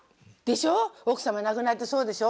奥様亡くなってそうでしょ？